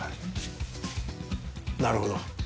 なるほど。